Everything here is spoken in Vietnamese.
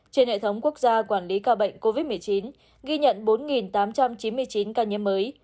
trên hệ thống quốc gia quản lý ca bệnh covid một mươi chín ghi nhận bốn tám trăm chín mươi chín ca nhiễm mới